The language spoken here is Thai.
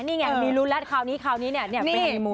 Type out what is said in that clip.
นี่ไงมีรุ้นแล้วคราวนี้ไปฮารีมูน